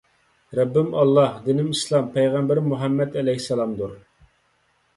رەببىم ئاللاھ دىنىم ئىسلام پەيغەمبىرىم مۇھەممەد ئەلەيھىسسالام دۇر